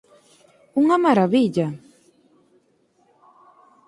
¡Unha marabilla!